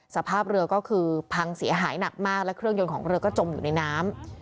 สภาพเรือก็คือพังเสียหายหนักมากและเครื่องยนต์ของเรือก็จมอยู่ในน้ำ